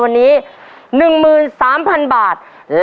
ภายในเวลา๓นาที